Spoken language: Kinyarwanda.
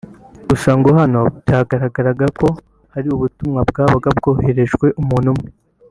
Gusa ngo hano byagaragaraga ko ari ubutumwa bwabaga bwohererejwe umuntu umwe